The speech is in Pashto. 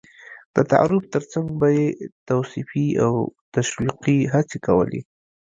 د تعارف تر څنګ به یې توصيفي او تشويقي هڅې کولې.